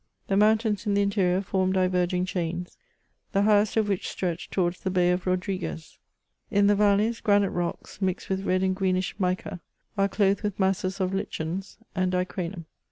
The mountains in the interior form diverging chains, the highest of which stretch towards the Bay of Rodrigues. In the valleys, granite rocks, mixed with red and greenish mica, are clothed with masses of lichens, and dicranum.